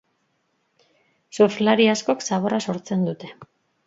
Surflari askok zaborra sortzen dute.